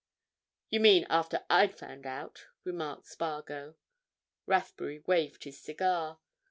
"You mean after I'd found out," remarked Spargo. Rathbury waved his cigar.